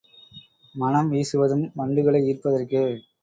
மணம் வீசுவதும் வண்டுகளை ஈர்ப்பதற்கே.